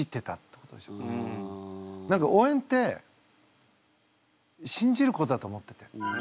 何か応援って信じることだと思ってて。